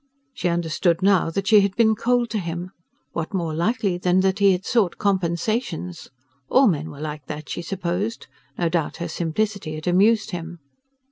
She understood now that she had been cold to him: what more likely than that he had sought compensations? All men were like that, she supposed no doubt her simplicity had amused him.